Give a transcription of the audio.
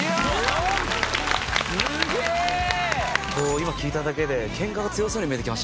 今聞いただけでケンカが強そうに見えてきましたもんね。